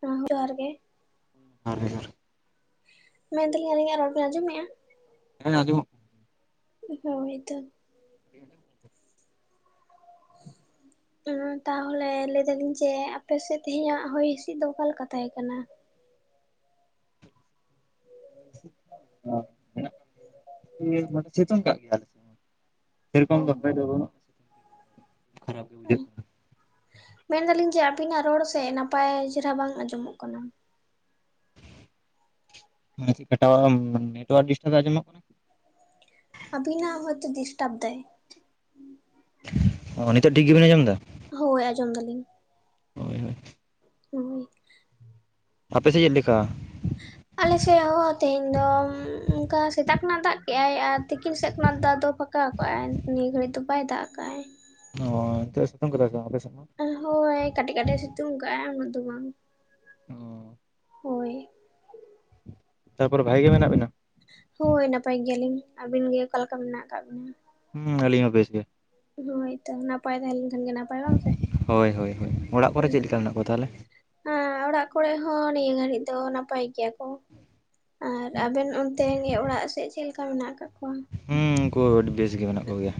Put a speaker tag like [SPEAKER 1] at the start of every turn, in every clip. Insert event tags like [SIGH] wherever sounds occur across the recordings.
[SPEAKER 1] ᱦᱚᱸ ᱡᱚᱦᱟᱨ ᱜᱮ
[SPEAKER 2] ᱡᱚᱦᱚᱨ ᱜᱮ ᱡᱚᱦᱟᱨ ᱜᱮ
[SPEAKER 1] ᱢᱮᱱ ᱫᱟᱞᱤᱧ ᱟᱹᱞᱤᱧᱟᱜ ᱨᱚᱲ ᱵᱮᱱ ᱟᱸᱡᱚᱢ ᱢᱮᱜᱼᱟ
[SPEAKER 2] ᱦᱮᱸ ᱟᱸᱡᱚᱢᱚᱜ
[SPEAKER 1] ᱦᱳᱭᱛᱳ
[SPEAKER 2] [INAUDIBLE]
[SPEAKER 1] [INAUDIBLE] ᱛᱟᱦᱚᱞᱮ ᱞᱟᱹᱭ ᱫᱟᱞᱤᱧ ᱡᱮ ᱟᱯᱮ ᱥᱮᱫ ᱛᱮᱦᱮᱧᱟᱜ ᱦᱚᱭ ᱦᱤᱥᱤᱫ ᱫᱚ ᱚᱠᱟ ᱞᱮᱠᱟ ᱛᱟᱦᱮᱸ ᱠᱟᱱᱟ
[SPEAKER 2] ᱢᱮᱱᱟᱜ ᱟᱠᱟᱜ ᱜᱮᱭᱟ ᱢᱟᱱᱮ ᱥᱤᱛᱩᱝ ᱠᱟᱜ ᱜᱮᱭᱟᱭ
[SPEAKER 1] ᱚ
[SPEAKER 2] ᱥᱮᱨᱚᱠᱚᱢ ᱫᱚ ᱦᱚᱭ ᱫᱚ ᱵᱟᱹᱱᱩᱜᱼᱟ ᱟᱨ [UNINTELLIGIBLE]
[SPEAKER 1] ᱢᱮᱱ ᱫᱟᱹᱞᱤᱧ ᱡᱮ ᱟᱵᱤᱱᱟᱜ ᱨᱚᱲ ᱥᱮ ᱱᱟᱯᱟᱭ ᱪᱮᱦᱨᱟ ᱵᱟᱝ ᱟᱸᱡᱚᱢᱚᱜ ᱠᱟᱱᱟ
[SPEAKER 2] ᱪᱮᱫ ᱠᱟ ᱴᱟᱣᱟᱨ ᱱᱮᱴ ᱣᱟᱨᱠ ᱰᱮᱥᱴᱟᱵ ᱟᱸᱡᱚᱢᱚᱜ ᱠᱟᱱᱟ ᱠᱤ
[SPEAKER 1] ᱟᱵᱤᱱᱟᱜ ᱦᱚᱭᱛᱚ ᱰᱤᱥᱴᱟᱨᱵ ᱫᱟᱭ
[SPEAKER 2] ᱱᱤᱛᱚᱜ ᱴᱷᱤᱠ ᱜᱮᱵᱤᱱ ᱟᱸᱡᱚᱢ ᱮᱫᱟ
[SPEAKER 1] ᱦᱳᱭ ᱟᱸᱡᱚᱢ ᱫᱟᱹᱞᱤᱧ
[SPEAKER 2] ᱦᱳᱭ ᱦᱳᱭ
[SPEAKER 1] ᱦᱳᱭ
[SPEAKER 2] ᱟᱯᱮ ᱥᱮᱫ ᱪᱮᱫ ᱞᱮᱠᱟ
[SPEAKER 1] ᱟᱞᱮ ᱥᱮᱜ ᱦᱚᱸ ᱛᱮᱦᱮᱧ ᱫᱚ ᱚᱱᱠᱟ ᱥᱮᱛᱟᱜ ᱠᱷᱚᱱᱟᱜ ᱫᱟᱜ ᱠᱮᱜᱼᱟᱭ ᱟᱨ ᱛᱤᱠᱤᱱ ᱥᱮᱫ ᱠᱷᱚᱱᱟᱜ ᱫᱚ ᱟᱫᱚ ᱯᱷᱟᱠ [UNINTELLIGIBLE] ᱢᱤᱜ ᱜᱷᱟᱹᱲᱤᱡ ᱫᱚ ᱵᱟᱭ ᱫᱟᱜ ᱟᱠᱟᱜᱼᱟᱭ᱾
[SPEAKER 2] ᱚᱻ ᱱᱤᱛᱚᱜ ᱮ ᱥᱤᱛᱩᱝ ᱟᱠᱟᱫᱟ ᱥᱮ ᱵᱟᱝ ᱟᱯᱮ ᱥᱮᱫ ᱦᱚᱸ?
[SPEAKER 1] ᱦᱳᱭ ᱠᱟᱹᱴᱤᱡ ᱠᱟᱹᱴᱤᱡ ᱥᱤᱛᱩᱝ ᱠᱟᱜᱼᱟᱭ ᱩᱱᱟᱹᱜ ᱫᱚ ᱵᱟᱝ᱾
[SPEAKER 2] ᱚᱸ
[SPEAKER 1] ᱦᱳᱭ
[SPEAKER 2] ᱛᱟᱯᱚᱨᱮ ᱵᱷᱟᱜᱤ ᱜᱮ ᱢᱮᱱᱟᱜ ᱵᱮᱱᱟ?
[SPEAKER 1] ᱦᱳᱭ ᱱᱟᱯᱟᱭ ᱜᱮᱭᱟᱞᱤᱧ᱾ ᱟᱵᱤᱱ ᱜᱮ ᱚᱠᱟ ᱞᱮᱠᱟ ᱢᱮᱱᱟᱜ ᱟᱠᱟᱫ ᱵᱤᱱᱟ?
[SPEAKER 2] ᱦᱩᱸ ᱟᱹᱞᱤᱧ ᱦᱚᱸ ᱵᱮᱥ ᱜᱮ᱾
[SPEAKER 1] ᱦᱳᱭ ᱛᱚ ᱱᱟᱯᱟᱭ ᱛᱟᱦᱮᱸ ᱞᱮᱱ ᱠᱷᱟᱱ ᱜᱮ ᱱᱟᱯᱟᱭ᱾ ᱵᱟᱝ ᱥᱮ
[SPEAKER 2] ᱦᱳᱭ ᱦᱳᱭ ᱦᱳᱭ ᱚᱲᱟᱜ ᱠᱚᱨᱮ ᱪᱮᱫ ᱞᱮᱠᱟ ᱢᱮᱱᱟᱜ ᱠᱚᱣᱟ ᱛᱟᱦᱚᱞᱮ?
[SPEAKER 1] ᱦᱮᱸ ᱚᱲᱟᱜ ᱠᱚᱨᱮ ᱦᱚᱸ ᱱᱤᱭᱟᱹ ᱜᱷᱟᱹᱲᱤᱡ ᱫᱚ ᱱᱟᱯᱟᱭ ᱜᱮᱭᱟ᱾ ᱟᱨ ᱟᱵᱮᱱ ᱚᱱᱛᱮ ᱚᱲᱟᱜ ᱥᱮᱫ ᱪᱮᱫ ᱞᱮᱠᱟ ᱢᱮᱱᱟᱜ ᱠᱟᱜ ᱠᱚᱣᱟ?
[SPEAKER 2] ᱦᱩᱸ ᱩᱱᱠᱩ ᱟᱹᱰᱤ ᱵᱮᱥ ᱜᱮ ᱢᱮᱱᱟᱜ ᱠᱚ ᱜᱮᱭᱟ?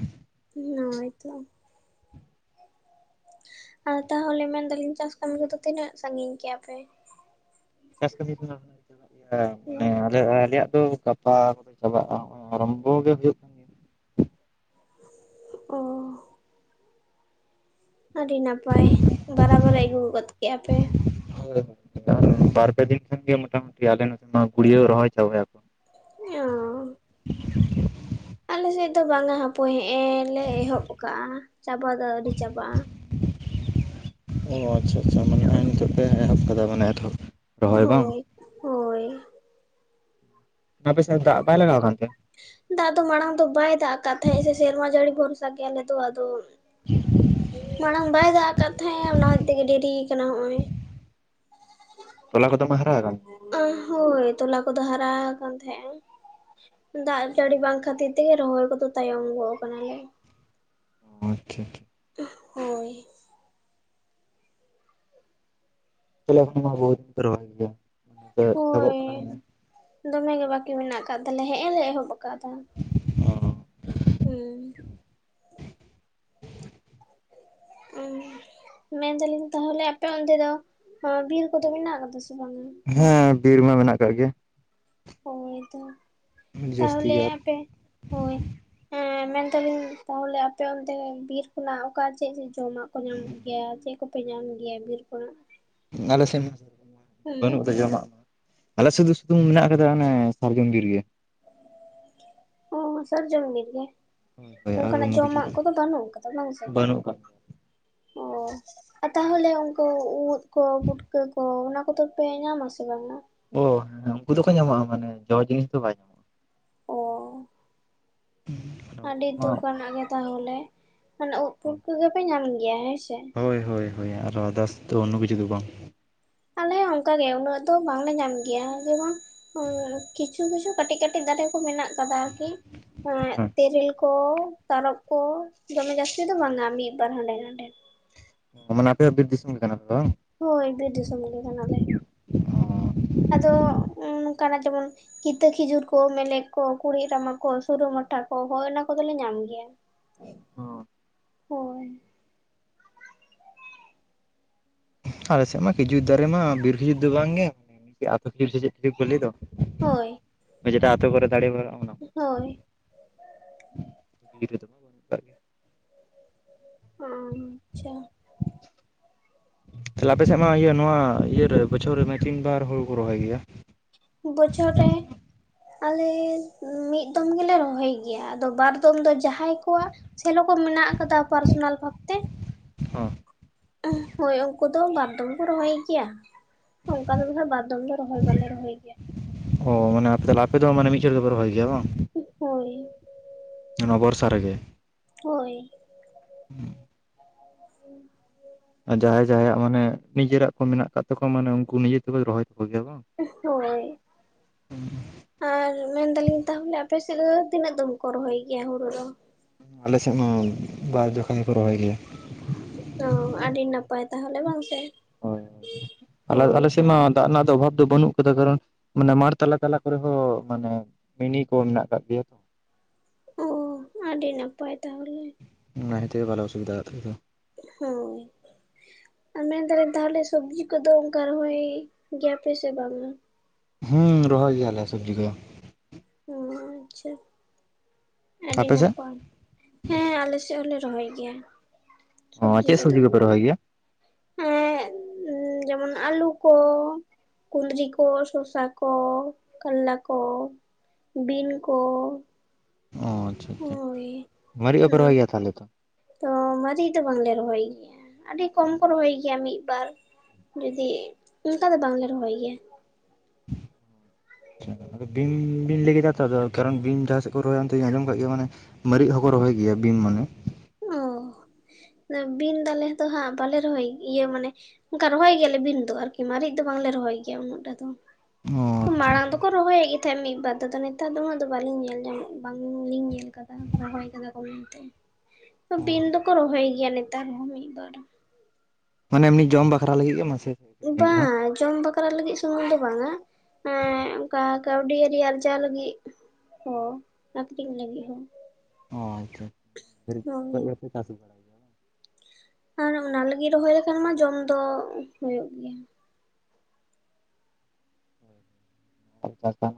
[SPEAKER 1] ᱱᱚᱭ ᱛᱚ ᱟᱨ ᱛᱟᱦᱚᱞᱮ ᱢᱮᱱ ᱫᱟᱹᱞᱤᱧ ᱪᱟᱥ ᱠᱟᱹᱢᱤ ᱠᱚᱫᱚ ᱛᱤᱱᱟᱹᱜ ᱥᱟᱺᱜᱤᱧ ᱠᱮᱜᱼᱟ ᱯᱮ?
[SPEAKER 2] ᱪᱟᱥ ᱠᱟᱹᱢᱤ ᱫᱚ ᱱᱟᱜ ᱪᱟᱞᱟᱜ ᱜᱮᱭᱟ ᱢᱟᱱᱮ ᱟᱞᱮ ᱟᱞᱮᱭᱟᱜ ᱫᱚ ᱜᱟᱯᱟ ᱠᱚᱫᱚ ᱪᱟᱵᱟᱜᱼᱟ, ᱟᱨᱚᱢᱵᱚ ᱜᱮ ᱦᱩᱭᱩᱜ ᱠᱟᱱ ᱜᱮᱭᱟ
[SPEAKER 1] ᱚᱸ ᱟᱹᱰᱤ ᱱᱟᱯᱟᱭ ᱵᱟᱨᱟᱵᱚᱨ ᱮ ᱟᱹᱜᱩ ᱟᱠᱟᱫᱟ᱾
[SPEAKER 2] ᱦᱳᱭ ᱦᱳᱭ ᱵᱟᱨ ᱯᱮ ᱫᱤᱱ ᱠᱷᱟᱱ ᱜᱮ ᱢᱚᱴᱟ ᱢᱩᱴᱤ ᱟᱞᱮ ᱱᱚᱛᱮ ᱢᱟ ᱜᱩᱲᱭᱟᱹᱣ ᱨᱚᱦᱚᱭ ᱪᱟᱵᱟᱭ ᱟᱠᱚ᱾
[SPEAKER 1] ᱚ ᱟᱞᱮ ᱥᱮᱫ ᱫᱚ ᱵᱟᱝᱼᱟ ᱦᱟᱯᱚᱭ ᱦᱮᱼᱮ ᱞᱮ ᱮᱦᱚᱵ ᱟᱠᱟᱼᱟ ᱪᱟᱵᱟᱜ ᱫᱚ ᱟᱹᱣᱨᱤ ᱪᱟᱵᱟᱜᱼᱟ᱾
[SPEAKER 2] ᱚᱸ ᱟᱪᱪᱷᱟ ᱟᱪᱪᱷᱟ ᱢᱟᱱᱮ ᱱᱚᱜᱼᱚᱭ
[SPEAKER 1] [INAUDIBLE]
[SPEAKER 2] ᱱᱤᱛᱚᱜ ᱯᱮ ᱮᱦᱚᱵ ᱠᱟᱫᱟ ᱢᱟᱱᱮ ᱮᱛᱚᱦᱚᱵ ᱨᱚᱦᱚᱭ ᱵᱟᱝ
[SPEAKER 1] ᱦᱳᱭ ᱦᱳᱭ
[SPEAKER 2] ᱟᱯᱮ ᱥᱮᱫ ᱫᱟᱜ ᱵᱟᱭ ᱞᱟᱜᱟᱣ ᱠᱟᱱ ᱛᱮ?
[SPEAKER 1] ᱫᱟᱜ ᱫᱚ ᱢᱟᱲᱟᱝ ᱫᱚ ᱵᱟᱭ ᱫᱟᱜ ᱟᱠᱟᱫ ᱛᱟᱦᱮᱸᱫ ᱥᱮᱨᱢᱟ ᱡᱟᱹᱲᱤ ᱵᱷᱚᱨᱥᱟ ᱜᱮ ᱟᱞᱮ ᱫᱚ ᱟᱫᱚ, ᱢᱟᱲᱟᱝ ᱵᱟᱭ ᱫᱟᱜ ᱟᱠᱟᱫ ᱛᱟᱦᱮᱸᱫᱼᱮ ᱚᱱᱟ ᱦᱚᱛᱮ ᱛᱮᱜᱮ ᱰᱮᱨᱤ ᱟᱠᱟᱱᱟ ᱦᱚᱸᱜᱼᱚᱭ᱾
[SPEAKER 2] ᱛᱚᱞᱟ ᱠᱚᱫᱚ ᱢᱟ ᱦᱟᱨᱟ ᱟᱠᱟᱱ
[SPEAKER 1] ᱦᱳᱭ ᱛᱚᱞᱟ ᱠᱚᱫᱚ ᱦᱟᱨᱟ ᱠᱟᱱ ᱛᱟᱦᱮᱸᱼᱟ᱾ ᱫᱟᱜ ᱡᱟᱹᱲᱤ ᱵᱟᱝ ᱠᱷᱟᱹᱛᱤᱨ ᱛᱮᱜᱮ ᱨᱚᱦᱚᱭ ᱠᱚᱫᱚ ᱛᱟᱭᱚᱢ ᱜᱚᱜ ᱠᱟᱱᱟᱞᱮ᱾
[SPEAKER 2] ᱟᱪᱷᱟ
[SPEAKER 1] ᱦᱳᱭ
[SPEAKER 2] ᱛᱟᱦᱚᱞᱮ ᱚᱱᱟ ᱢᱟ ᱵᱚᱦᱩᱛ ᱯᱮ ᱨᱚᱦᱚᱭ ᱜᱮᱭᱟ ᱮᱚᱵᱚᱜ
[SPEAKER 1] ᱦᱳᱭ
[SPEAKER 2] ᱠᱟᱱᱟ
[SPEAKER 1] ᱫᱚᱢᱮ ᱜᱮ ᱵᱟᱹᱠᱤ ᱢᱮᱱᱟᱜ ᱟᱠᱟᱫ ᱛᱟᱞᱮ ᱦᱮᱸᱜ ᱮ ᱞᱮ ᱮᱦᱚᱵ ᱟᱠᱟᱫᱟ ᱦᱩᱸ᱾ ᱢᱮᱱᱫᱟᱞᱤᱧ ᱛᱟᱦᱚᱞᱮ ᱟᱯᱮ ᱸᱰᱮ ᱫᱚ ᱵᱤᱨ ᱠᱚᱫᱚ ᱢᱮᱱᱟᱜ ᱟᱠᱟᱫᱟ ᱥᱮ ᱵᱟᱝᱟ?
[SPEAKER 2] ᱦᱮᱸ ᱵᱤᱨ ᱢᱟ ᱢᱮᱱᱟᱜ ᱠᱟᱜ ᱜᱮᱭᱟ᱾
[SPEAKER 1] ᱦᱳᱭ ᱛᱚ
[SPEAKER 2] ᱡᱟᱹᱥᱛᱤ
[SPEAKER 1] ᱛᱟᱦᱚᱞᱮ
[SPEAKER 2] ᱜᱮ
[SPEAKER 1] ᱟᱯᱮ ᱦᱳᱭ ᱦᱮᱸ ᱢᱮᱱ ᱫᱟᱞᱤᱧ ᱛᱚᱞᱮ ᱟᱯᱮ ᱚᱱᱛᱮ ᱵᱤᱨ ᱠᱷᱚᱱᱟᱜ ᱚᱠᱟ ᱪᱮᱫ ᱡᱚᱢᱟᱜ ᱠᱚ ᱧᱟᱢᱚᱜ ᱜᱮᱭᱟ ᱪᱮᱫ ᱠᱚᱯᱮ ᱧᱟᱢ ᱜᱮᱭᱟ ᱵᱤᱨ ᱠᱷᱚᱱᱟᱜ?
[SPEAKER 2] ᱟᱞᱮ ᱥᱮᱫ ᱢᱟ [UNINTELLIGIBLE]
[SPEAKER 1] ᱦᱮᱸ
[SPEAKER 2] ᱵᱟᱹᱱᱩᱜ ᱡᱚᱢᱟᱜ ᱟᱞᱮ ᱥᱩᱫᱩ ᱥᱩᱫᱛᱩ ᱢᱮᱱᱟᱜ ᱟᱠᱟᱫᱟ ᱚᱱᱮ ᱥᱟᱨᱡᱚᱢ ᱵᱤᱨ ᱜᱮ᱾
[SPEAKER 1] ᱚ ᱥᱟᱨᱡᱚᱢ ᱵᱤᱨ ᱜᱮ?
[SPEAKER 2] ᱦᱳᱭ ᱦᱳᱭ ᱟᱨ
[SPEAKER 1] ᱚᱱᱠᱟᱱᱟᱜ
[SPEAKER 2] ᱚᱱᱟ ᱠᱤᱪᱷᱩ
[SPEAKER 1] ᱡᱚᱢᱟᱜ
[SPEAKER 2] ᱫᱚ
[SPEAKER 1] ᱠᱚᱫᱚ ᱵᱟᱹᱱᱩᱜ ᱠᱟᱫᱟ ᱵᱟᱝ ᱥᱮ?
[SPEAKER 2] ᱵᱟᱹᱱᱩᱜ ᱠᱟᱜ
[SPEAKER 1] ᱚ ᱟᱨ ᱛᱟᱦᱚᱞᱮ ᱩᱱᱠᱩ ᱩᱫ ᱠᱚ ᱯᱩᱴᱠᱟᱹ ᱠᱚ ᱚᱱᱟ ᱠᱚᱫᱚ ᱯᱮ ᱧᱟᱢ ᱥᱮ ᱵᱟᱝᱟ?
[SPEAKER 2] ᱚ ᱦᱮᱸ ᱩᱱᱠᱩ ᱫᱚᱠᱚ ᱧᱟᱢᱚᱜᱼᱟ, ᱢᱟᱱᱮ ᱡᱚ ᱡᱤᱱᱤᱥ ᱫᱚ ᱵᱟᱭ ᱧᱟᱢᱚᱜᱼᱟ᱾
[SPEAKER 1] ᱚ
[SPEAKER 2] [INAUDIBLE]
[SPEAKER 1] ᱟᱹᱰᱤ
[SPEAKER 2] ᱢᱟ
[SPEAKER 1] ᱫᱩᱠᱱᱟᱜ ᱜᱮ ᱛᱟᱦᱚᱞᱮ, ᱢᱟᱱᱮ ᱩᱫ ᱯᱩᱴᱠᱟᱹ ᱠᱚᱜᱮᱯᱮ ᱧᱟᱢ ᱜᱮᱭᱟ ᱦᱮᱸᱥᱮ?
[SPEAKER 2] ᱦᱳᱭ ᱦᱳᱭ ᱦᱳᱭ ᱟᱨᱦᱚ ᱟᱫᱟᱨᱥ ᱫᱚ ᱚᱱᱱᱳ ᱠᱤᱪᱩ ᱫᱚ ᱵᱟᱝ
[SPEAKER 1] ᱟᱞᱮ ᱦᱚᱸ ᱚᱱᱠ ᱜᱮ ᱩᱱᱟᱹᱜ ᱫᱚ ᱵᱟᱝᱞᱮ ᱧᱟᱢ ᱜᱮᱭᱟ ᱡᱮᱢᱚᱱ ᱠᱤᱪᱷᱩ ᱠᱤᱪᱷᱩ ᱠᱟᱹᱴᱤᱡ ᱠᱟᱹᱴᱤᱡ ᱫᱟᱨᱮ ᱠᱚ ᱢᱮᱱᱟᱜ ᱟᱠᱟᱫᱟ ᱟᱨᱠᱤ
[SPEAKER 2] ᱦᱮᱸ
[SPEAKER 1] ᱛᱮᱨᱤᱞ ᱠᱚ ᱠᱚ ᱛᱟᱨᱚᱵ ᱠᱚ ᱫᱚᱢᱮ ᱡᱟᱹᱥᱛᱤ ᱫᱚ ᱵᱟᱝᱟ ᱢᱤᱫ ᱵᱟᱨ ᱦᱟᱸᱰᱮ ᱱᱟᱰᱮ᱾
[SPEAKER 2] ᱢᱟᱱᱮ ᱟᱯᱮ ᱦᱚᱸ ᱵᱤᱨ ᱫᱤᱥᱚᱢ ᱠᱟᱱᱟ
[SPEAKER 1] ᱦᱳᱭ ᱵᱤᱨ ᱫᱤᱥᱚᱢ ᱜᱮ ᱠᱟᱱᱟᱞᱮ ᱟᱫᱚ ᱱᱚᱝᱠᱟᱱᱟᱜ ᱡᱮᱢᱚᱱ ᱠᱤᱛᱟᱹ ᱠᱷᱤᱡᱩᱨ ᱠᱚ ᱢᱮᱞᱮᱫ ᱠᱚ ᱠᱩᱲᱤ ᱨᱟᱢᱟ ᱠᱚ ᱥᱩᱨᱩ ᱢᱟᱴᱟ ᱠᱚ ᱦᱚ ᱚᱱᱟ ᱠᱚᱫᱚᱞᱮ ᱧᱟᱢ ᱜᱮᱭᱟ᱾ [INAUDIBLE]
[SPEAKER 2] ᱚ
[SPEAKER 1] ᱦᱳᱭ
[SPEAKER 2] ᱟᱞᱮᱥᱮᱫ ᱢᱟ ᱠᱷᱤᱡᱩᱨ ᱫᱟᱨᱮ ᱢᱟ ᱵᱤᱨ ᱠᱷᱤᱡᱩᱨ ᱫᱚ ᱵᱟᱝ ᱜᱮ ᱵᱤᱨ ᱠᱷᱤᱡᱩᱨ ᱥᱮ ᱪᱮᱫ ᱠᱚ ᱞᱟᱹᱭᱮᱫ ᱫᱚ
[SPEAKER 1] ᱦᱳᱭ
[SPEAKER 2] ᱡᱮᱴᱟ ᱟᱯᱮ ᱠᱚᱨᱮ ᱫᱥᱲᱮ ᱵᱟ
[SPEAKER 1] ᱦᱳᱭ
[SPEAKER 2] [UNINTELLIGIBLE] ᱜᱮ
[SPEAKER 1] ᱚ ᱟᱪᱪᱷᱟ
[SPEAKER 2] ᱛᱟᱦᱞᱮ ᱟᱯᱮ ᱥᱮᱫ ᱢᱟ ᱤᱭᱟᱹ ᱱᱚᱣᱟ ᱤᱭᱟᱹᱨᱮ ᱵᱚᱪᱷᱚᱨ ᱨᱮ ᱢᱮ ᱛᱤᱱ ᱵᱟᱨ ᱦᱩᱲᱩ ᱠᱚ ᱨᱚᱦᱚᱭ ᱜᱮᱭᱟ?
[SPEAKER 1] ᱵᱚᱪᱷᱚᱨ ᱨᱮ ᱟᱞᱮ ᱢᱤᱫ ᱫᱚᱢ ᱜᱮᱞᱮ ᱨᱚᱦᱚᱭ ᱜᱮᱭᱟ ᱟᱫᱚ ᱵᱟᱨ ᱫᱚᱢ ᱫᱚ ᱡᱟᱦᱟᱸᱭ ᱠᱚᱣᱟᱜ ᱥᱮᱞᱚ ᱠᱚ ᱢᱮᱱᱟᱜ ᱟᱠᱟᱫᱟ ᱯᱟᱨᱥᱚᱱᱟᱞ ᱵᱷᱟᱵᱛᱮ
[SPEAKER 2] ᱚ
[SPEAKER 1] ᱦᱳᱭ ᱩᱱᱠᱩ ᱫᱚ ᱵᱟᱨᱫᱚᱢ ᱠᱚ ᱨᱚᱦᱚᱭ ᱜᱮᱭᱟ᱾ ᱚᱱᱠᱟ ᱫᱚ ᱵᱟ ᱵᱟᱫᱢ ᱫᱚ ᱨᱚᱭ ᱵᱟᱮ ᱨᱚᱭ ᱜᱮᱭᱟ᱾
[SPEAKER 2] ᱚ ᱢᱟᱱᱮᱛᱟᱦᱞᱮ ᱟᱯᱮ ᱫᱚ ᱢᱟᱱᱮ ᱢᱤᱫᱷᱟᱹᱲ ᱨᱮ ᱯᱮ ᱨᱚᱦᱚᱭ ᱜᱮᱭᱟ ᱵᱟᱝ
[SPEAKER 1] ᱦᱳᱭ
[SPEAKER 2] ᱱᱚᱣᱟ ᱵᱚᱨᱥᱟ ᱨᱮᱜᱮ
[SPEAKER 1] ᱦᱳᱭ
[SPEAKER 2] ᱦᱮᱸ ᱡᱟᱦᱟᱸᱭ ᱡᱟᱦᱟᱸᱭᱟᱜ ᱢᱟᱱᱮ ᱱᱤᱡᱮᱨᱟᱜ ᱠᱚ ᱢᱮᱱᱟᱜ ᱟᱠᱟᱫ ᱛᱟᱠᱚᱣᱟ ᱢᱟᱱᱮ ᱩᱱᱠᱩ ᱱᱤᱡᱮ ᱛᱮᱠᱚ ᱨᱚᱦᱚᱭ ᱛᱟᱠᱚ ᱜᱮᱭᱟ ᱵᱟᱝ
[SPEAKER 1] ᱦᱳᱭ ᱟᱨ ᱢᱮᱱᱫᱟᱞᱤᱧ ᱛᱟᱦᱚᱞᱮ ᱟᱯᱮ ᱥᱮᱫ ᱫᱚ ᱛᱤᱱᱟᱹᱜ ᱫᱚᱢ ᱠᱚ ᱨᱚᱦᱚᱭ ᱜᱮᱭᱟ ᱦᱩᱲᱩ ᱫᱚ
[SPEAKER 2] ᱟᱞᱮ ᱥᱮᱫ ᱢᱟ ᱵᱟᱨ ᱡᱚᱠᱷᱟ ᱜᱮᱠᱚ ᱨᱚᱦᱚᱭ ᱜᱮᱭᱟ
[SPEAKER 1] ᱚ ᱟᱹᱰᱤ ᱱᱟᱯᱟᱭ ᱛᱟᱦᱚᱞᱮ ᱵᱟᱝ ᱥᱮ
[SPEAKER 2] ᱦᱳᱭ ᱟᱞᱮ
[SPEAKER 1] ᱦᱳᱭ
[SPEAKER 2] ᱟᱞᱮ ᱥᱮᱫ ᱢᱟ ᱫᱟᱜ ᱨᱮᱱᱟᱜ ᱫᱚ ᱚᱵᱷᱟᱵ ᱫᱚ ᱵᱟᱹᱱᱩᱜ ᱠᱟᱫᱟ ᱠᱟᱨᱚᱱ ᱢᱟᱱᱮ ᱢᱟ ᱛᱟᱞᱟ ᱛᱟᱞᱟ ᱠᱚᱨᱮ ᱦᱚᱸ ᱢᱟᱱᱮ ᱢᱤᱱᱤ ᱠᱚ ᱢᱮᱱᱟᱜ ᱠᱟᱫ ᱜᱮᱭᱟ
[SPEAKER 1] ᱚ ᱟᱹᱰᱤ ᱱᱟᱯᱟᱭ ᱛᱟᱦᱚᱞᱮ
[SPEAKER 2] ᱚᱱᱟ ᱠᱷᱟᱛᱤᱨ ᱵᱟᱞᱮ ᱚᱥᱩᱵᱤᱫᱷᱟᱜᱼᱟ ᱛᱮᱫᱚ
[SPEAKER 1] ᱦᱳᱭ ᱟᱨ ᱢᱮᱱ ᱫᱟᱞᱮᱧ ᱛᱟᱦᱚᱞᱮ ᱥᱚᱵᱽᱡᱤ ᱠᱚᱫᱚ ᱚᱱᱠᱟ ᱨᱚᱦᱚᱭ ᱜᱮᱭᱟ ᱯᱮ ᱥᱮ ᱵᱟᱝᱟ
[SPEAKER 2] ᱦᱩᱸ ᱨᱚᱦᱚᱭ ᱜᱮᱭᱟᱞᱮ ᱥᱚᱵᱽᱡᱤ ᱠᱚ
[SPEAKER 1] ᱚ ᱟᱪᱪᱷᱟ ᱟᱹᱰᱤ
[SPEAKER 2] ᱟᱯᱮ ᱥᱮᱫ
[SPEAKER 1] ᱱᱟᱯᱟᱭ ᱦᱮᱸ ᱟᱞᱮ ᱥᱮ ᱦᱚᱞᱮ ᱨᱚᱦᱚᱭ ᱜᱮᱭᱟ
[SPEAKER 2] ᱚ ᱪᱮ ᱥᱚᱵᱡᱤ ᱠᱚᱯᱮ ᱨᱚᱦᱚᱭ ᱜᱮᱭᱟ
[SPEAKER 1] ᱮ ᱡᱮᱢᱚᱱ ᱟᱹᱞᱩ ᱠᱚ ᱠᱩᱱᱫᱤᱨᱤ ᱠᱚ ᱥᱚᱥᱟ ᱠᱚ ᱠᱟᱞᱞᱟ ᱠᱚ ᱵᱤᱱ ᱠᱚ ᱦᱳᱭ
[SPEAKER 2] ᱢᱟᱨᱤᱡ ᱦᱚᱸᱯᱮ
[SPEAKER 1] ᱱᱚᱣᱟ
[SPEAKER 2] ᱨᱚᱦᱚᱭ ᱜᱮᱭᱟ ᱛᱟᱦᱚᱞᱮ ᱛᱚ
[SPEAKER 1] ᱛᱚ ᱢᱟᱹᱨᱤᱡ ᱫᱚ ᱵᱟᱝᱞᱮ ᱨᱚᱦᱚᱭ ᱜᱮᱭᱟ ᱟᱹᱰᱤ ᱠᱚᱢ ᱠᱚ ᱨᱚᱦᱚᱭ ᱜᱮᱭᱟ ᱢᱤ ᱵᱟᱨ ᱡᱩᱫᱤ ᱚᱱᱠᱟ ᱫᱚ ᱵᱟᱝᱞᱮ ᱨᱚᱦᱚᱭ ᱜᱮᱭᱟ
[SPEAKER 2] ᱟᱫᱚ ᱵᱤᱢ ᱵᱤᱱ ᱞᱟᱹᱭ ᱠᱮᱫᱟ ᱛᱚ ᱠᱟᱨᱚᱱ ᱵᱤᱢ ᱡᱟᱦᱟᱸ ᱥᱮᱫ ᱨᱚᱦᱚᱭᱟ ᱚᱱᱛᱮ ᱟᱸᱡᱚᱢ ᱠᱟᱜ ᱜᱮᱭᱟ ᱢᱟᱱᱮ ᱢᱟᱨᱤᱪ ᱦᱚᱸᱠᱚ ᱨᱚᱦᱚᱭ ᱜᱮᱭᱟ ᱵᱤᱢ ᱢᱟᱱᱮ
[SPEAKER 1] ᱚ ᱵᱤᱢ ᱫᱟᱞᱮ ᱫᱚ ᱦᱟᱸᱜ ᱵᱟᱞᱮ ᱨᱚᱦᱚᱭ ᱤᱭᱟᱹ ᱢᱟᱱᱮ ᱚᱱᱠᱟ ᱨᱚᱦᱚᱭ ᱜᱮᱭᱟᱞᱮ ᱵᱤᱢ ᱫᱚ ᱟᱨᱠᱤ ᱢᱟᱨᱤᱪ ᱫᱚ ᱵᱟᱝᱞᱮ ᱨᱚᱦᱚᱭ ᱜᱮᱭᱟ ᱩᱱᱟᱹᱜ ᱴᱟ ᱫᱚ
[SPEAKER 2] ᱚ ᱟᱪᱪᱷᱟ
[SPEAKER 1] ᱢᱟᱲᱟᱝ ᱫᱚ ᱨᱚᱦᱚᱭᱮᱫ ᱜᱮ ᱛᱟᱦᱮᱸᱫ ᱢᱤᱫ ᱵᱟᱨ ᱫᱚᱚ ᱱᱮᱛᱟᱨ ᱫᱚ ᱩᱱᱟᱹᱜ ᱫᱚ ᱵᱟᱞᱤᱧ ᱧᱮᱞ ᱧᱟᱢᱚᱜ ᱵᱟᱝᱞᱤᱧ ᱧᱮᱞ ᱠᱟᱫᱟ ᱛᱟ ᱨᱚᱦᱚᱭ ᱠᱟᱫᱟ ᱠᱚ ᱢᱮᱱᱛᱮ ᱵᱤᱱ ᱫᱚᱠᱚ ᱨᱚᱦᱚᱭ ᱜᱮᱭᱟ ᱱᱮᱛᱟᱨ ᱦᱚᱸ ᱢᱤᱫ ᱵᱟᱨ
[SPEAKER 2] ᱢᱟᱱᱮ ᱮᱢᱱᱤ ᱡᱚᱢ ᱵᱟᱠᱷᱨᱟ ᱞᱟᱹᱜᱤᱫ ᱜᱮ ᱢᱟᱥᱮ ᱟᱹᱠᱷᱨᱤᱧ ᱞᱟᱹᱜᱤᱫ ᱦᱚᱸ
[SPEAKER 1] ᱵᱟᱝ ᱡᱚᱢ ᱵᱟᱠᱷᱨᱟ ᱞᱟᱹᱜᱤᱫ ᱥᱩᱢᱩᱝ ᱫᱚ ᱵᱟᱝᱟ ᱮ ᱚᱱᱠᱟ ᱠᱟᱹᱣᱰᱤ ᱟᱨᱤ ᱟᱨᱡᱟᱣ ᱞᱟᱹᱜᱤᱫ ᱚ ᱟᱠᱷᱨᱤᱧ ᱞᱟᱹᱜᱤᱫ ᱦᱚᱸ
[SPEAKER 2] ᱚ ᱟᱪᱪᱷᱟ ᱠᱷᱚᱱ
[SPEAKER 1] ᱦᱳᱭ
[SPEAKER 2] ᱜᱮᱯᱮ ᱪᱟᱥ ᱟᱠᱟᱫᱟ
[SPEAKER 1] ᱟᱨ ᱚᱱᱟ ᱞᱟᱹᱜᱤᱫ ᱨᱚᱦᱚᱭ ᱞᱮᱠᱷᱟᱱ ᱢᱟ ᱡᱚᱢ ᱫᱚ ᱦᱩᱭᱩᱜ ᱜᱮᱭᱟ
[SPEAKER 2] ᱟᱪᱪᱷᱟ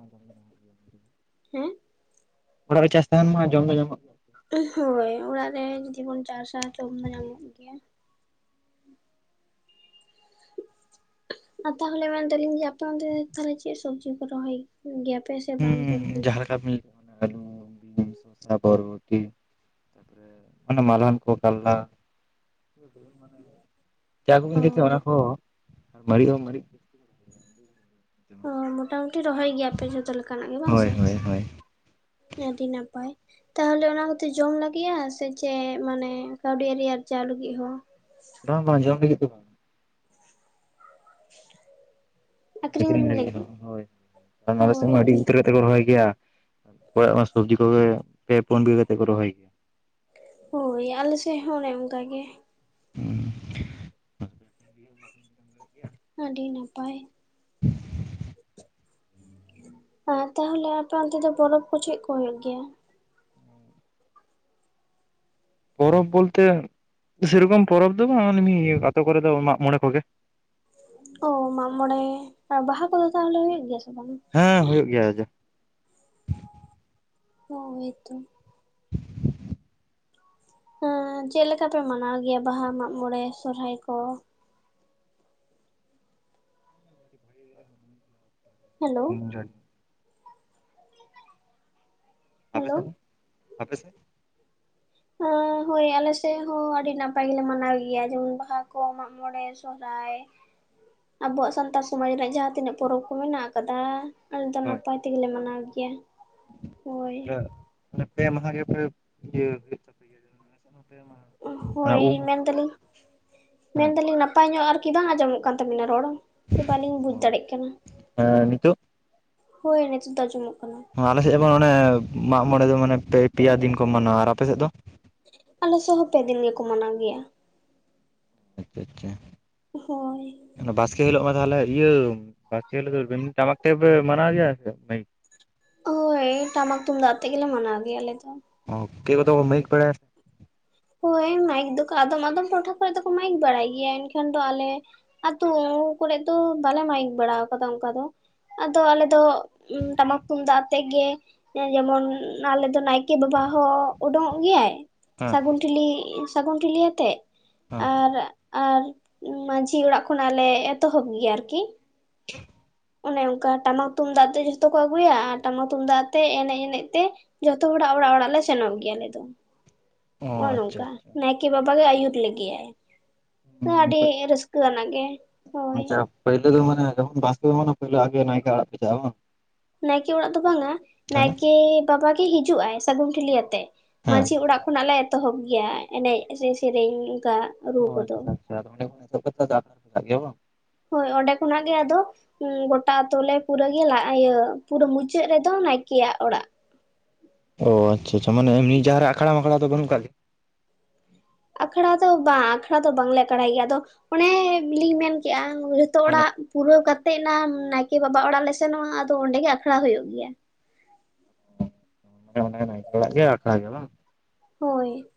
[SPEAKER 1] ᱦᱮᱸ
[SPEAKER 2] ᱚᱲᱟᱜ ᱨᱮ ᱪᱟᱥ ᱛᱟᱦᱮᱸᱱ ᱢᱟ ᱡᱚᱢ ᱫᱚ ᱧᱟᱢᱚᱜ
[SPEAKER 1] ᱦᱳᱭ ᱚᱲᱟᱜ ᱨᱮ ᱡᱩᱫᱤ ᱵᱚᱱ ᱪᱟᱥᱟ ᱡᱚᱢ ᱫᱚ ᱧᱟᱢᱚᱜ ᱜᱮᱭᱟ ᱟ ᱛᱟᱦᱚᱞᱮ ᱢᱮᱱ ᱫᱟᱹᱞᱤᱧ ᱡᱮ ᱟᱯᱮ ᱚᱱᱛᱮ ᱫᱚ ᱛᱟᱦᱚᱞᱮ ᱪᱮ ᱥᱚᱵᱽᱡᱤ ᱠᱚ ᱨᱚᱦᱚᱭ ᱜᱮᱭᱟ ᱯᱮ ᱥᱮ ᱵᱟᱝ ᱯᱮ
[SPEAKER 2] ᱦᱩᱸ
[SPEAKER 1] ᱨᱚᱦᱚᱭ
[SPEAKER 2] ᱡᱟᱦᱟᱸ ᱟᱹᱞᱩ ᱵᱤᱱ ᱥᱚᱥᱟ ᱵᱚᱨᱵᱚᱴᱤ ᱛᱟᱯᱚᱨᱮ ᱢᱟᱱᱮ ᱢᱟᱞᱦᱟᱱ ᱠᱚ ᱠᱟᱞᱞᱟ ᱢᱟᱱᱮ ᱪᱟ ᱠᱚᱵᱤᱱ
[SPEAKER 1] ᱚ
[SPEAKER 2] ᱤᱫᱟᱹᱭ ᱠᱮᱫ ᱚᱱᱟ ᱠᱚ ᱟᱨ ᱢᱟᱨᱤᱡ ᱦᱚᱸ ᱢᱟᱨᱤᱡ
[SPEAKER 1] ᱚ ᱢᱚᱴᱟᱢᱩᱴᱤ ᱨᱚᱦᱚᱭ ᱜᱮᱭᱟ ᱯᱮ ᱡᱚᱛᱚ ᱞᱮᱠᱟᱱᱟᱜ ᱜᱮ ᱵᱟᱝ
[SPEAKER 2] ᱦᱳᱭ
[SPEAKER 1] ᱥᱮ
[SPEAKER 2] ᱦᱳᱭ ᱦᱳᱭ
[SPEAKER 1] ᱟᱹᱰᱤ ᱱᱟᱯᱟᱭ ᱛᱟᱦᱚᱞᱮ ᱚᱱᱟ ᱠᱚᱛᱮ ᱡᱚᱢ ᱞᱟᱹᱜᱤᱫ ᱥᱮ ᱪᱮᱫ ᱢᱟᱱᱮ ᱠᱟᱹᱣᱰᱤ ᱟᱨᱤ ᱟᱨᱡᱟᱣ ᱞᱟᱹᱜᱤᱫ ᱦᱚᱸ
[SPEAKER 2] ᱵᱟᱝ ᱵᱟᱝ ᱡᱚᱢ ᱞᱟᱹᱜᱤᱫ ᱫᱚ ᱵᱟᱝ ᱟᱠᱷᱨᱤᱧ ᱞᱟᱹᱜᱤᱫ ᱦᱚᱸ ᱦᱳᱭ ᱟᱞᱮ ᱥᱮᱫ
[SPEAKER 1] ᱦᱳᱭ
[SPEAKER 2] ᱢᱟ
[SPEAKER 1] ᱛᱚ
[SPEAKER 2] ᱟᱹᱰᱤ ᱩᱛᱟᱹᱨ ᱛᱮᱠᱚ ᱨᱚᱦᱚᱭ ᱜᱮᱭᱟ ᱥᱚᱵᱽᱡᱤ ᱠᱚᱜᱮ ᱯᱮ ᱯᱩᱱ ᱵᱤᱜᱷᱟᱹ ᱠᱟᱛᱮ ᱠᱚ ᱨᱚᱦᱚᱭ ᱜᱮᱭᱟ
[SPEAKER 1] ᱦᱳᱭ ᱟᱞᱮ ᱥᱮᱫ ᱦᱚᱸ ᱚᱱᱮ ᱚᱱᱠᱟ ᱜᱮ
[SPEAKER 2] ᱩᱸ [INAUDIBLE]
[SPEAKER 1] ᱟᱹᱰᱤ ᱱᱟᱯᱟᱭ ᱟᱨ ᱛᱟᱦᱚᱞᱮ ᱟᱯᱮ ᱚᱱᱛᱮ ᱫᱚ ᱯᱚᱨᱚᱵᱽ ᱠᱚ ᱪᱮᱫ ᱠᱚ ᱦᱩᱭᱩᱜ ᱜᱮᱭᱟ?
[SPEAKER 2] ᱯᱚᱨᱚᱵᱽ ᱵᱚᱞᱛᱮ ᱥᱮᱨᱚᱠᱚᱢ ᱯᱚᱨᱚᱵᱽ ᱫᱚ ᱵᱟᱝ ᱚᱱᱮ ᱢᱤ ᱟᱛᱳ ᱠᱚᱨᱮ ᱫᱚ ᱢᱟᱜᱽ ᱢᱚᱬᱮ ᱠᱚᱜᱮ
[SPEAKER 1] ᱚ ᱢᱟᱜᱽᱢᱚᱬᱮ ᱟᱨ ᱵᱟᱦᱟ ᱠᱚᱫᱚ ᱛᱟᱦᱚᱞᱮ ᱦᱩᱭᱩᱜ ᱜᱮᱭᱟ ᱥᱮ ᱵᱟᱝ
[SPEAKER 2] ᱦᱮᱸ ᱦᱩᱭᱩᱜ ᱜᱮᱭᱟ
[SPEAKER 1] ᱦᱳᱭ ᱛᱚ ᱮᱸ ᱪᱮᱫ ᱞᱮᱠᱟ ᱯᱮ ᱢᱟᱱᱟᱣ ᱜᱮᱭᱟ ᱵᱟᱦᱟ ᱢᱟᱜᱽᱢᱚᱬᱮ ᱥᱚᱨᱦᱟᱭ ᱠᱚ?
[SPEAKER 2] [UNINTELLIGIBLE]
[SPEAKER 1] ᱦᱮᱞᱳ
[SPEAKER 2] ᱟᱯᱮ
[SPEAKER 1] ᱦᱮᱞᱳ
[SPEAKER 2] ᱥᱮᱫ ᱫᱚ ᱟᱯᱮ ᱥᱮᱫ
[SPEAKER 1] ᱳ ᱦᱳᱭ ᱟᱞᱮ ᱥᱮᱫ ᱦᱚᱸ ᱟᱹᱰᱤ ᱱᱟᱯᱟᱭ ᱜᱮᱞᱮ ᱢᱟᱱᱟᱣ ᱜᱮᱭᱟ ᱡᱮᱢᱚᱱ ᱵᱟᱦᱟ ᱠᱚ ᱢᱟᱜᱽᱢᱚᱬᱮ ᱥᱚᱦᱨᱟᱭ ᱟᱵᱚᱣᱟᱜ ᱥᱟᱱᱛᱟᱲ ᱥᱚᱢᱟᱡᱽ ᱨᱮᱱᱟᱜ ᱡᱟᱦᱟᱸ ᱛᱤᱱᱟᱹᱜ ᱯᱚᱨᱚᱵᱽ ᱠᱚ ᱢᱮᱱᱟᱜ ᱟᱠᱟᱫᱟ ᱟᱞᱮ ᱫᱚ
[SPEAKER 2] ᱦᱳᱭ
[SPEAKER 1] ᱱᱟᱯᱟᱭ ᱛᱮᱜᱮ ᱞᱮ ᱢᱟᱱᱟᱣ ᱜᱮᱭᱟ ᱦᱳᱭ
[SPEAKER 2] ᱯᱮ ᱢᱟᱦᱟ ᱜᱮᱯᱮ ᱤᱭᱟᱹ ᱟᱞᱮ ᱥᱮᱫ ᱦᱚᱸ ᱯᱮ ᱢᱟᱦᱟ ᱢᱟᱱᱮ
[SPEAKER 1] ᱦᱳᱭ
[SPEAKER 2] ᱩᱢ
[SPEAKER 1] ᱢᱮᱱ ᱫᱟᱞᱤᱧ ᱢᱮᱱ
[SPEAKER 2] ᱦᱮᱸ
[SPEAKER 1] ᱫᱟᱞᱤᱧ ᱱᱟᱯᱟᱭ ᱯᱟᱭ ᱧᱚᱜ ᱟᱨᱠᱤ ᱵᱟᱝ ᱟᱸᱡᱚᱢᱚᱜ ᱠᱟᱱ ᱛᱟᱵᱤᱱᱟ ᱨᱚᱲ ᱦᱚᱸ ᱛᱚ ᱵᱟᱹᱞᱤᱧ ᱵᱩᱡᱽ
[SPEAKER 2] ᱚ
[SPEAKER 1] ᱫᱟᱲᱮᱭᱟᱜ ᱠᱟᱱᱟ
[SPEAKER 2] ᱦᱮᱸ ᱱᱤᱛᱚᱜ
[SPEAKER 1] ᱦᱳᱭ ᱱᱤᱛᱚᱜ ᱫᱚ ᱟᱸᱡᱚᱢᱚᱜ ᱠᱟᱱᱟ
[SPEAKER 2] ᱟᱞᱮ ᱥᱮᱫ ᱚᱱᱮ ᱢᱟᱜᱽᱢᱚᱬᱮ ᱫᱚ ᱢᱟᱱᱮ ᱯᱮ ᱯᱮᱭᱟ ᱫᱤᱱ ᱠᱚ ᱢᱟᱱᱟᱣᱟ ᱟᱨ ᱟᱯᱮ ᱥᱮᱫ ᱫᱚ?
[SPEAKER 1] ᱟᱞᱮ ᱥᱮᱫ ᱦᱚᱸ ᱯᱮ ᱫᱤᱱ ᱜᱮᱠᱚ ᱢᱟᱱᱟᱣ ᱜᱮᱭᱟ
[SPEAKER 2] ᱟᱪᱪᱷᱟ ᱟᱪᱪᱷᱟ
[SPEAKER 1] ᱦᱚᱭ
[SPEAKER 2] ᱵᱟᱥᱠᱮ ᱦᱤᱞᱳᱜ ᱢᱟ ᱛᱟᱦᱞᱮ ᱤᱭᱟᱹ ᱵᱟᱠᱤ ᱦᱤᱞᱳᱜ ᱫᱚ ᱵᱟᱹᱱ ᱴᱟᱢᱟᱠ ᱛᱮᱯᱮ ᱢᱟᱱᱟᱣ ᱜᱮᱭᱟ ᱥᱮ ᱚᱱᱮ ᱜᱤ
[SPEAKER 1] ᱦᱳᱭ ᱴᱟᱢᱟᱠ ᱛᱩᱢᱫᱟᱜ ᱟᱛᱮᱜ ᱜᱮᱞᱮ ᱢᱟᱱᱟᱣ ᱜᱮᱭᱟ ᱟᱞᱮ ᱫᱚ
[SPEAKER 2] ᱚ ᱯᱮ ᱠᱚᱫᱚ ᱢᱟᱭᱤᱠ ᱯᱮᱲᱮᱫ
[SPEAKER 1] ᱦᱳᱭ ᱢᱟᱭᱤᱠ ᱫᱚᱠᱚ ᱟᱫᱚᱢ ᱟᱫᱚᱢ ᱴᱚᱴᱷᱟ ᱠᱚᱨᱮ ᱫᱚᱠᱚ ᱢᱟᱭᱤᱠ ᱵᱟᱲᱟᱭ ᱜᱮᱭᱟ ᱮᱱᱠᱷᱟᱱ ᱫᱚ ᱟᱞᱮ ᱟᱛᱳ ᱠᱚᱨᱮᱫ ᱫᱚ ᱵᱟᱞᱮ ᱢᱟᱭᱤᱠ ᱵᱟᱲᱟ ᱟᱠᱟᱫᱟ ᱚᱱᱠᱟ ᱫᱚ ᱟᱫᱚ ᱟᱞᱮ ᱫᱚ ᱴᱟᱢᱟᱠ ᱛᱩᱢᱫᱟᱜ ᱟᱛᱮᱜ ᱜᱮ ᱮ ᱡᱮᱢᱚᱱ ᱟᱞᱮ ᱫᱚ ᱱᱟᱭᱠᱮ ᱵᱟᱵᱟ ᱦᱚᱸ ᱩᱰᱩᱸᱜ-ᱚᱜ ᱜᱮᱭᱟᱭ
[SPEAKER 2] ᱦᱮᱸ
[SPEAKER 1] ᱥᱟᱹᱜᱩᱱ ᱴᱷᱤᱞᱤ ᱥᱟᱹᱜᱩᱱ ᱴᱷᱤᱞᱤ ᱟᱛᱮᱜ
[SPEAKER 2] ᱦᱮᱸ
[SPEAKER 1] ᱟᱨ ᱟᱨ ᱢᱟᱹᱡᱷᱤ ᱚᱲᱟᱜ ᱠᱷᱚᱱᱟᱜ ᱞᱮ ᱮᱛᱚᱦᱚᱵ ᱜᱮᱭᱟ ᱟᱨᱠᱤ ᱚᱱᱮ ᱚᱱᱠᱟ ᱴᱟᱢᱟᱠ ᱛᱩᱢᱫᱟᱜ ᱛᱮ ᱡᱷᱚᱛᱚ ᱠᱚ ᱟᱹᱜᱩᱭᱟ ᱟᱨ ᱴᱟᱢᱟᱠ ᱛᱩᱢᱫᱟᱜ ᱛᱮ ᱮᱱᱮᱡ ᱮᱱᱮᱡ ᱛᱮ ᱡᱷᱚᱛᱚ ᱦᱚᱲᱟᱜ ᱚᱲᱟᱜ ᱚᱲᱟᱜ ᱞᱮ ᱥᱮᱱᱚᱜ ᱜᱮᱭᱟ ᱟᱞᱮ ᱫᱚ
[SPEAKER 2] ᱚ
[SPEAKER 1] ᱱᱚᱜ-ᱚ
[SPEAKER 2] ᱟᱪᱪᱷᱟ
[SPEAKER 1] ᱱᱚᱝᱠᱟ
[SPEAKER 2] ᱟᱪᱪᱷᱟ
[SPEAKER 1] ᱱᱟᱭᱠᱮ ᱵᱟᱵᱟ ᱜᱮ ᱟᱹᱭᱩᱨ ᱞᱮᱜᱮᱭᱟᱭ ᱟᱹᱰᱤ ᱨᱟᱹᱥᱠᱟᱹ ᱠᱟᱹ ᱠᱟᱱᱟ ᱜᱮ ᱦᱳᱭ
[SPEAKER 2] ᱟᱪᱪᱷᱟ ᱯᱟᱹᱭᱞᱟᱹ ᱫᱚ ᱢᱟᱱᱮ ᱵᱟᱥᱠᱮ ᱢᱟᱦᱟ ᱯᱟᱹᱭᱞᱟᱹ ᱟᱜᱮ ᱱᱟᱭᱠᱮ ᱚᱲᱟᱜ ᱯᱮ ᱪᱟᱜ-ᱟ ᱵᱟᱝ
[SPEAKER 1] ᱱᱟᱭᱠᱮ ᱚᱲᱟᱜ ᱫᱚ ᱵᱟᱝᱼᱟ
[SPEAKER 2] ᱛᱟᱦᱚᱞᱮ
[SPEAKER 1] ᱱᱟᱭᱠᱮ ᱵᱟᱵᱟ ᱜᱮ ᱦᱤᱡᱩᱜ ᱟᱭ ᱥᱟᱹᱜᱩᱱ ᱴᱷᱤᱞᱤ ᱟᱛᱮᱜ
[SPEAKER 2] ᱦᱮᱸ
[SPEAKER 1] ᱢᱟᱹᱡᱷᱤ ᱚᱲᱟᱜ ᱠᱷᱚᱱᱟᱜ ᱞᱮ ᱮᱛᱚᱦᱚᱵ ᱜᱮᱭᱟ ᱮᱱᱮᱡ ᱥᱮ ᱥᱮᱨᱮᱧ ᱚᱱᱠᱟ ᱨᱩ
[SPEAKER 2] ᱚ
[SPEAKER 1] ᱠᱚᱫᱚ
[SPEAKER 2] ᱟᱪᱪᱷᱟ ᱟᱪᱪᱷᱟ ᱚᱸᱰᱮ ᱠᱷᱚᱱ [UNINTELLIGIBLE] ᱵᱟᱝ
[SPEAKER 1] ᱦᱳᱭ ᱚᱸᱰᱮ ᱠᱷᱚᱱᱟᱜ ᱜᱮ ᱟᱫᱚ ᱦᱩᱸ ᱜᱚᱴᱟ ᱟᱛᱳ ᱯᱩᱨᱟᱹ ᱜᱮᱭᱟ ᱞᱟ ᱤᱭᱟᱹ ᱯᱩᱨᱟᱹ ᱢᱩᱪᱟᱹᱫ ᱨᱮᱫᱚ ᱱᱟᱭᱠᱮᱭᱟᱜ ᱚᱲᱟᱜ
[SPEAKER 2] ᱚ ᱟᱪᱪᱷᱟ ᱟᱪᱪᱷᱟ ᱢᱟᱱᱮ ᱢᱤ ᱡᱟᱦᱟᱸ ᱨᱮ ᱟᱠᱷᱟᱲᱟ ᱢᱟᱠᱷᱟᱲᱟ ᱫᱚ ᱵᱟᱹᱱᱩᱜ ᱠᱟᱫ ᱜᱮᱭᱟ
[SPEAKER 1] ᱟᱠᱷᱟᱲᱟ ᱫᱚ ᱵᱟᱝ ᱟᱠᱷᱟᱲᱟ ᱫᱚ ᱵᱟᱝᱞᱮ ᱟᱠᱷᱲᱟᱭ ᱜᱮᱭᱟ ᱟᱫᱚ ᱚᱱᱮ ᱞᱤᱧ ᱢᱮᱱ ᱠᱮᱜ-ᱟ ᱡᱚᱛᱚ
[SPEAKER 2] ᱢᱟᱱᱮ
[SPEAKER 1] ᱚᱲᱟᱜ ᱯᱩᱨᱟᱹᱣ ᱠᱟᱛᱮᱜ ᱱᱟᱢ ᱱᱟᱭᱠᱮ ᱵᱟᱵᱟ ᱚᱲᱟᱜ ᱞᱮ ᱥᱮᱱᱚᱜ-ᱟ ᱟᱫᱚ ᱚᱸᱰᱮ ᱜᱮ ᱟᱠᱷᱟᱲᱟ ᱦᱩᱭᱩᱜ ᱜᱮᱭᱟ
[SPEAKER 2] ᱮ ᱚᱱᱟ ᱱᱟᱭᱠᱮ ᱚᱲᱟᱜ ᱜᱮ ᱟᱠᱷᱲᱟ ᱦᱩᱭᱩᱜ-ᱟ ᱵᱟᱝ
[SPEAKER 1] ᱦᱳᱭ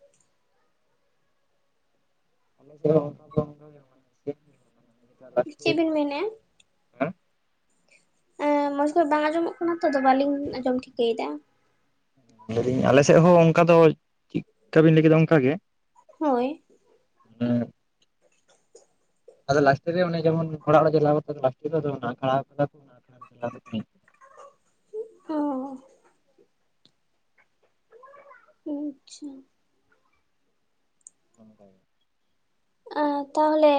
[SPEAKER 2] [UNINTELLIGIBLE]
[SPEAKER 1] ᱪᱮᱫ ᱵᱤᱱ ᱢᱮᱱᱮᱫᱼᱟ ᱮᱸ ᱢᱚᱸᱡᱽ ᱠᱷᱚᱡ ᱵᱟᱝ ᱟᱸᱡᱚᱢᱚᱜ ᱠᱟᱱᱟ ᱛᱚ ᱵᱟᱞᱤᱧ ᱟᱸᱡᱚᱢ ᱴᱷᱤᱠᱟᱹᱭ ᱫᱟ
[SPEAKER 2] ᱞᱟᱹᱭᱫᱟᱹᱧ ᱟᱞᱮ ᱥᱮᱫ ᱦᱚᱸ ᱚᱱᱠᱟ ᱫᱚ ᱪᱮᱫᱠᱟᱵᱤᱱ ᱞᱟᱹᱭ ᱠᱮᱫᱟ ᱚᱱᱠᱟ ᱜᱮ
[SPEAKER 1] ᱦᱳᱭ
[SPEAKER 2] ᱟᱫᱚ ᱞᱟᱥᱴ ᱨᱮ ᱡᱮᱢᱚᱱ ᱚᱲᱟᱜ [INAUDIBLE] ᱪᱟᱞᱟᱣ ᱠᱟᱛᱮ ᱞᱟᱥᱴ ᱨᱮ ᱟᱠᱷᱲᱟ ᱠᱟᱫᱟ [INAUDIBLE]
[SPEAKER 1] [INAUDIBLE] ᱟᱪᱪᱷᱟ
[SPEAKER 2] [INAUDIBLE]
[SPEAKER 1] [INAUDIBLE] ᱛᱟᱦᱚᱞᱮ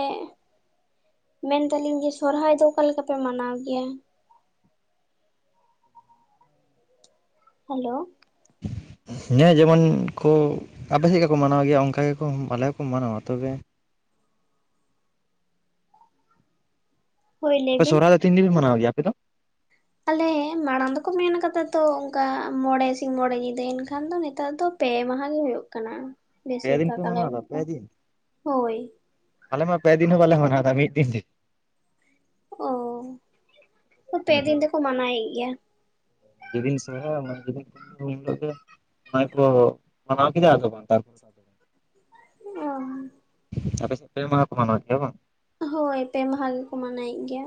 [SPEAKER 1] ᱢᱮᱱᱫᱟᱞᱤᱧ ᱡᱮ ᱥᱚᱨᱦᱟᱭ ᱫᱚ ᱚᱠᱟ ᱞᱮᱠᱟᱯᱮ ᱢᱟᱱᱟᱣ ᱜᱮᱭᱟ ᱦᱮᱞᱳ
[SPEAKER 2] [INAUDIBLE] ᱡᱮᱢᱚᱱ ᱠᱚ ᱟᱯᱮ [INAUDIBLE] ᱠᱚ ᱢᱟᱱᱟᱣ ᱜᱮᱭᱟ ᱚᱱᱠᱟ ᱜᱮᱠᱚ ᱟᱞᱮ ᱦᱚᱸᱠᱚ ᱢᱟᱱᱟᱣᱟ ᱛᱚᱵᱮ
[SPEAKER 1] ᱦᱳᱭ ᱞᱟᱹᱭ
[SPEAKER 2] ᱟᱯᱮ
[SPEAKER 1] ᱵᱤᱱ
[SPEAKER 2] ᱥᱚᱨᱦᱟᱭ ᱫᱚ ᱛᱤᱱ ᱫᱤᱱ [INAUDIBLE] ᱢᱟᱱᱟᱣ ᱜᱮᱭᱟ ᱟᱯᱮ ᱫᱚ
[SPEAKER 1] ᱟᱞᱮ ᱢᱟᱲᱟᱝ ᱫᱚᱠᱚ ᱢᱮᱱ ᱠᱟᱫᱟ ᱛᱚ ᱚᱝᱠᱟ ᱢᱚᱬᱮ ᱥᱤᱧ ᱢᱚᱬᱮ ᱧᱤᱫᱟᱹ ᱮᱱᱠᱷᱟᱱ ᱫᱚ ᱱᱮᱛᱟᱨ ᱫᱚ ᱯᱮ ᱢᱟᱦᱟ ᱜᱮ ᱦᱩᱭᱩᱜ ᱠᱟᱱᱟ
[SPEAKER 2] ᱯᱮ
[SPEAKER 1] ᱵᱮᱥᱤᱨ
[SPEAKER 2] ᱫᱤᱱ
[SPEAKER 1] ᱵᱷᱟᱠᱽ
[SPEAKER 2] ᱯᱮ ᱢᱟᱱᱟᱣ ᱮᱫᱟ
[SPEAKER 1] [INAUDIBLE] ᱫᱚ
[SPEAKER 2] ᱯᱮ ᱫᱤᱱ
[SPEAKER 1] ᱦᱳᱭ
[SPEAKER 2] ᱟᱞᱮ ᱢᱟ ᱯᱮ ᱫᱤᱱ ᱦᱚᱸ ᱵᱟᱞᱮ [INAUDIBLE] ᱢᱤᱫ ᱫᱤᱱ ᱛᱮ
[SPEAKER 1] ᱚ ᱯᱮ ᱫᱤᱱ ᱛᱮᱠᱚ ᱢᱟᱱᱟᱣᱭᱮᱫ ᱜᱮᱭᱟ
[SPEAKER 2] ᱡᱮ ᱫᱤᱱ ᱥᱚᱨᱦᱟᱭ [INAUDIBLE] ᱚᱱᱟ ᱜᱮ ᱠᱚ ᱢᱟᱱᱟᱣ ᱠᱮᱫᱟ ᱟᱫᱚ ᱵᱟᱝ ᱛᱟᱨᱯᱚᱨ [INAUDIBLE]
[SPEAKER 1] ᱚ [INAUDIBLE]
[SPEAKER 2] ᱟᱯᱮ ᱥᱮᱜ ᱯᱮ ᱢᱟᱦᱟ ᱠᱚ ᱢᱟᱱᱟᱣ ᱜᱮᱭᱟ ᱵᱟᱝ?
[SPEAKER 1] ᱦᱳᱭ ᱯᱮ ᱢᱟᱦᱟ ᱜᱮᱠᱚ ᱢᱟᱱᱟᱣᱭᱮᱫ ᱜᱮᱭᱟ᱾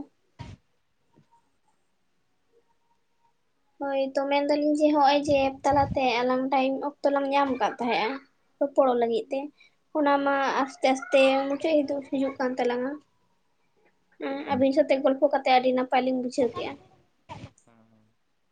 [SPEAKER 1] ᱦᱳᱭ ᱛᱚ ᱢᱮᱱᱫᱟᱞᱤᱧ ᱡᱮ, ᱦᱚᱜᱚᱭ ᱡᱮ ᱮᱯ ᱛᱟᱞᱟᱛᱮ ᱟᱞᱟᱝ ᱴᱟᱭᱤᱢ ᱚᱠᱛᱚ ᱞᱟᱝ ᱧᱟᱢ ᱠᱟᱫ ᱛᱟᱦᱮᱸᱜᱼᱟ᱾ ᱨᱚᱯᱚᱲᱚᱜ ᱞᱟᱹᱜᱤᱫ ᱛᱮ ᱚᱱᱟᱢᱟ ᱟᱥᱛᱮ-ᱟᱥᱛᱮ ᱢᱩᱪᱟᱹᱫ ᱦᱤᱡᱩᱜ ᱠᱟᱱ ᱛᱟᱞᱟᱝᱟ᱾ ᱟᱸᱻ ᱟᱵᱤᱱ ᱥᱟᱶᱛᱮ ᱜᱚᱞᱯᱚ ᱠᱟᱛᱮ ᱟᱹᱰᱤ ᱱᱟᱯᱟᱭ ᱞᱤᱧ ᱵᱩᱡᱷᱟᱹᱣ ᱠᱮᱜᱼᱟ ᱾
[SPEAKER 2] [INAUDIBLE]